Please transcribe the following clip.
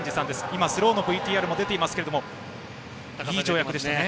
今、スローのＶＴＲも出ていましたけどもいい跳躍でしたね。